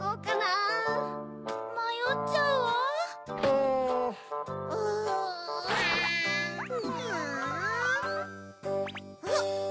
あっ！